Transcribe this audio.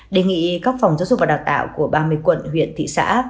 đề nghị các phòng giáo dục và đào tạo của ba mươi quận huyện thị xã